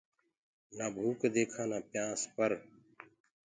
نآ ڀوڪَ ديکانٚ نآ پيآنٚس پر